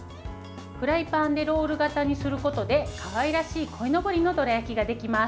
フライパンでロール形にすることでかわいらしい、こいのぼりのどら焼きができます。